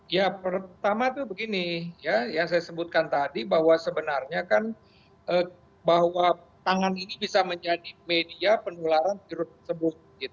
ya pertama itu begini ya yang saya sebutkan tadi bahwa sebenarnya kan bahwa tangan ini bisa menjadi media penularan virus tersebut